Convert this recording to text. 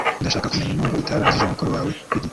Ndashaka kumenya impamvu utarangije umukoro wawe ku gihe.